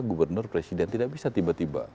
gubernur presiden tidak bisa tiba tiba